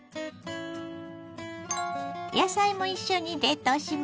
野菜も一緒に冷凍しましょ。